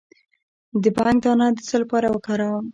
د بنګ دانه د څه لپاره وکاروم؟